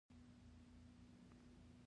یوه محصل غږ کړ چې د اطاق کیلۍ راکړه.